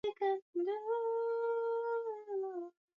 Samia Suluhu Hassan hakujinga moja kwa moja na masomo ya Chuo